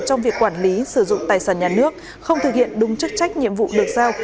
trong việc quản lý sử dụng tài sản nhà nước không thực hiện đúng chức trách nhiệm vụ được giao